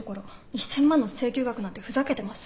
１，０００万の請求額なんてふざけてます。